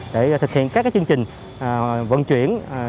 để thực hiện các chương trình vận chuyển